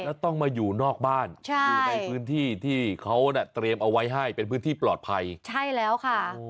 แล้วต้องมาอยู่นอกบ้านอยู่ในพื้นที่ที่เขาน่ะเตรียมเอาไว้ให้เป็นพื้นที่ปลอดภัยใช่แล้วค่ะ